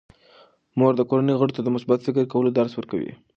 مور د کورنۍ غړو ته د مثبت فکر کولو درس ورکوي.